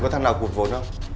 thế có thằng nào cuột vốn không